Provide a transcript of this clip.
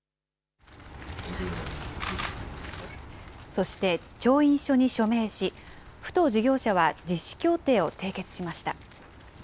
そして、調印書に署名し、府と事業者は実施協定を締結しました。